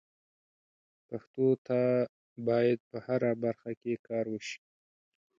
پښتو ته باید په هره برخه کې کار وشي.